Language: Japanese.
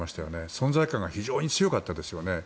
存在感が非常に強かったですよね。